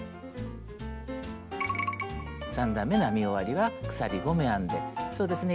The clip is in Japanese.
３段めの編み終わりは鎖５目編んでそうですね